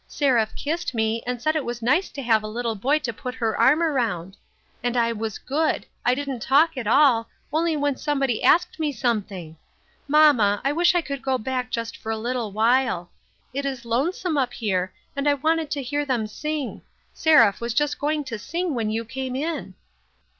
Seraph kissed me, and said it was nice to have a little boy to put her arm around. And I was good ; I didn't talk at all, only when somebody asked me something. Mamma, I wish I could go back just for a little while. It is lonesome up here, and I wanted to hear them sing. Seraph was just going to sing when you came in."